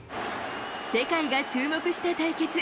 世界が注目した対決。